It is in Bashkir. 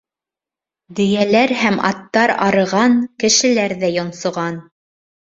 Дөйәләр һәм аттар арыған, кешеләр ҙә йонсоған.